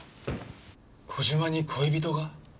小島に恋人が？